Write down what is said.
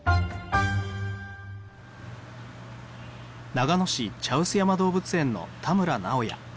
長野市茶臼山動物園の田村直也。